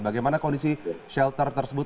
bagaimana kondisi shelter